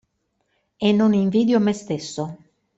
E non invidio me stesso.